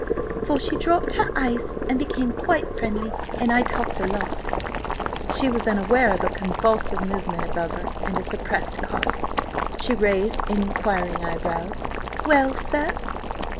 –for she dropped her ice and became quite friendly. And I talked a lot." She was aware of a convulsive movement above her, and a suppressed cough. She raised inquiring eyebrows. "Well, sir?"